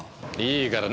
いいから。